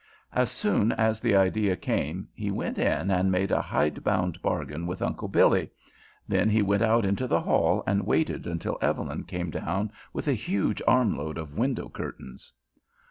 As soon as the idea came, he went in and made a hide bound bargain with Uncle Billy, then he went out into the hall and waited until Evelyn came down with a huge armload of window curtains.